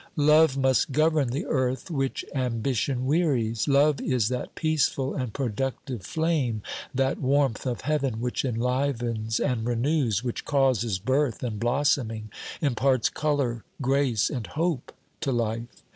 Love must govern the earth which ambition wearies. Love is that peaceful and productive flame, that warmth of heaven which enlivens and renews, which causes birth and blossoming, imparts colour, grace, and hope to life.